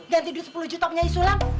ganti duit sepuluh juta punya isulang